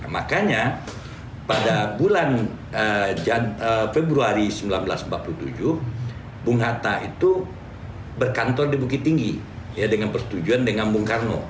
makanya pada bulan februari seribu sembilan ratus empat puluh tujuh bung hatta itu berkantor di bukit tinggi dengan persetujuan dengan bung karno